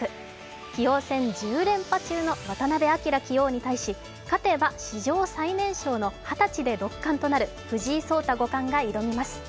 棋王戦１０連覇中の渡辺明棋王に対し勝てば史上最年少の二十歳で六冠となる藤井聡太五冠が挑みます。